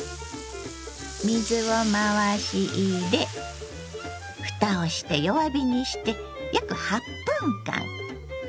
水を回し入れ蓋をして弱火にして約８分間。